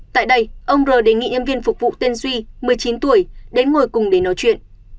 tại đây ông r đề nghị nhân viên phục vụ tên duy một mươi chín tuổi đến ngồi cùng để nói chuyện